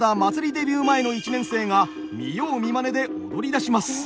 デビュー前の１年生が見よう見まねで踊りだします。